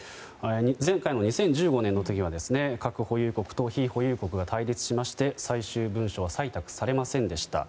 前回の２０１５年の時は核保有国と非保有国が対立しまして、最終文書は採択されませんでした。